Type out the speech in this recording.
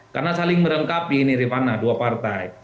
karena saling merengkapi ini rimana dua partai